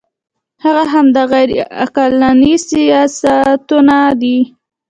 هغه همدا غیر عقلاني سیاستونه دي.